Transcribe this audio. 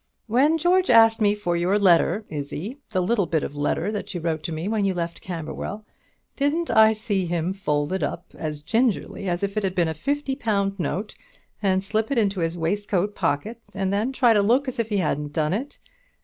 "When George asked me for your letter, Izzie, the little bit of a letter you wrote me when you left Camberwell, didn't I see him fold it up as gingerly as if it had been a fifty pound note and slip it into his waistcoat pocket, and then try to look as if he hadn't done it?